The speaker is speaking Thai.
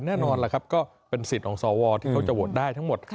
แน่นอนล่ะครับก็เป็นสิทธิ์ของสวที่เขาจะโหวตได้ทั้งหมด